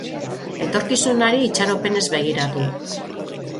Etorkizunari itxaropenez begiratu.